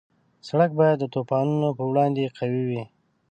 سړک باید د طوفانونو په وړاندې قوي وي.